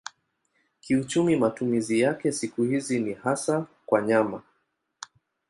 Kiuchumi matumizi yake siku hizi ni hasa kwa nyama.